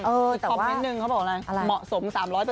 อีกคอมเมนต์หนึ่งเขาบอกอะไรเหมาะสม๓๐๐